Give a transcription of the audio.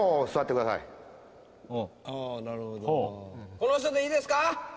この人でいいですか？